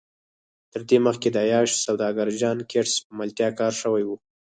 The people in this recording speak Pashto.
تر دې مخکې د عیاش سوداګر جان ګیټس په ملتیا کار شوی و